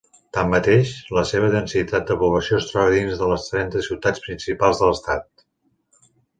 Tanmateix, la seva densitat de població es troba dins de les trenta ciutats principals de l'estat.